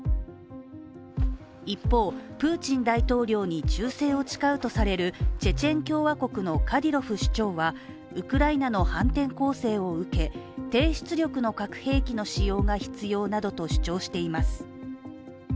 一方、プーチン大統領に忠誠を誓うとされるチェチェン共和国のカディロフ首長はウクライナの反転攻勢を受け、低出力の核兵器の使用が必要などと主張しています。